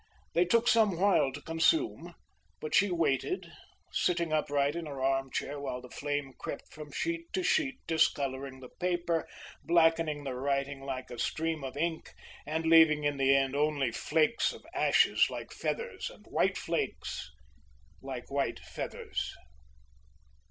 They took some while to consume, but she waited, sitting upright in her arm chair while the flame crept from sheet to sheet, discolouring the paper, blackening the writing like a stream of ink, and leaving in the end only flakes of ashes like feathers, and white flakes like white feathers.